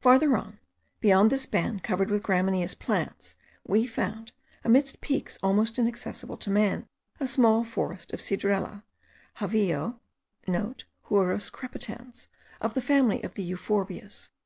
Farther on, beyond this band covered with gramineous plants, we found, amidst peaks almost inaccessible to man, a small forest of cedrela, javillo,* (* Huras crepitans, of the family of the euphorbias.